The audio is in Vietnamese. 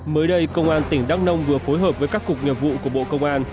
mới đây công an tỉnh đắk nông vừa phối hợp với các cục nghiệp vụ của bộ công an